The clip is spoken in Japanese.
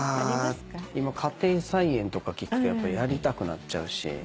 今家庭菜園とか聞くとやっぱやりたくなっちゃうし。